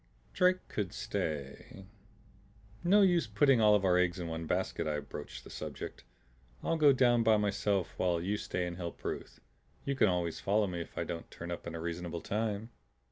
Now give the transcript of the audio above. Drake could stay "No use of putting all our eggs in one basket," I broached the subject. "I'll go down by myself while you stay and help Ruth. You can always follow if I don't turn up in a reasonable time."